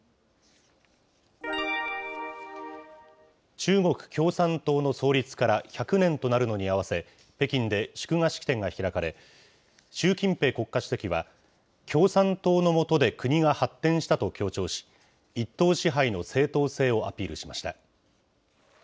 中国共産党の創立から１００年となるのに合わせ、北京で祝賀式典が開かれ、習近平国家主席は、共産党の下で国が発展したと強調し、一党支配の正統性をアピールしました。